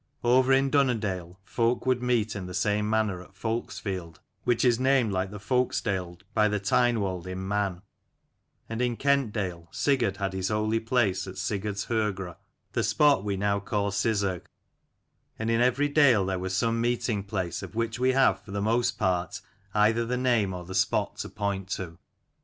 Over in Dunnerdale, folk would meet in the same manner at Folksfield which is named like the Folksdale by the Tynwald in Man; and in Kentdale Sigurd had his holy place at Sigurd's Horgr, the spot we now call Sizergh : and in every dale there was some meeting place of which we have for the most part either the name or the spot to point to.